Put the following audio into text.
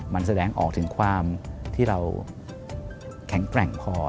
มันแสดงออกถึงความที่เราแข็งแกร่งพอ